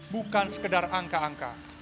bukan sekedar angka angka